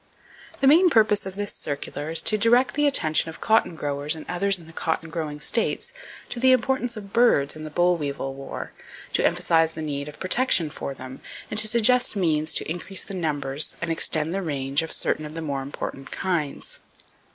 The main purpose of this circular is to direct the attention of cotton growers and others in the cotton growing states to the importance of birds in the boll weevil war, to emphasize the need of protection for them, and to suggest means to increase the numbers and extend the range of certain of the more important kinds.